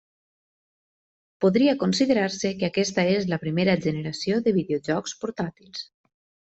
Podria considerar-se que aquesta és la primera generació de videojocs portàtils.